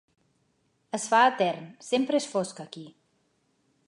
Es fa etern, sempre és fosc aquí.